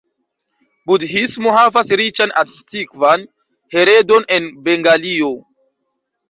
Budhismo havas riĉan antikvan heredon en Bengalio.